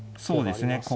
そうですね